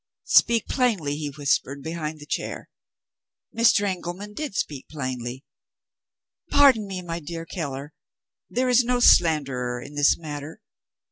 'Speak plainly,' he whispered, behind the chair. Mr. Engelman did speak plainly. 'Pardon me, my dear Keller, there is no slanderer in this matter.